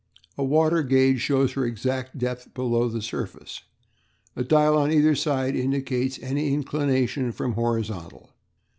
A water gauge shows her exact depth below the surface; a dial on either side indicates any inclination from the horizontal.